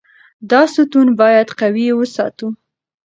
دا ستون باید قوي وساتو.